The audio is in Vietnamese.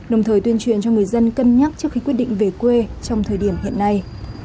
đồng thời tuyên truyền cho người dân cân nhắc trước khi quyết định về quê trong thời điểm hiện nay